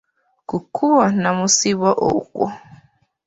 Ku kkubo namusiba okwo.